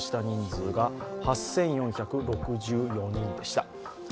人数が８４６４人でした。